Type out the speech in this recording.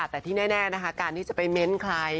แต่ที่แน่การที่จะไปเม้นต์ใคร